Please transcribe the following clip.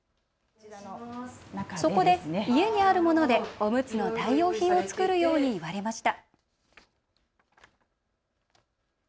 そこで家にあるものでおむつの代用品を作るように言われました。